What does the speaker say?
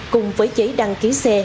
cùng với chế đăng ký xe